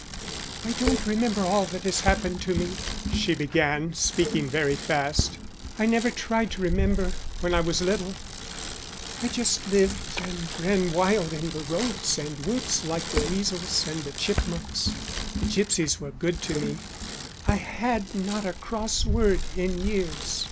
"I don't remember all that has happened to me," she began, speaking very fast. "I never tried to remember, when I was little; I just lived, and ran wild in the roads and woods like the weasels and the chipmunks. The gipsies were good to me. I had not a cross word in years.